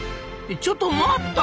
ちょっと待った！